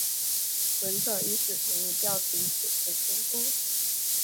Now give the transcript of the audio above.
文策尔一世同意调停此次冲突。